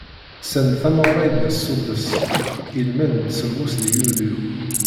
Send tameɣra i d-nessuddes i lmend n semmus di yulyu.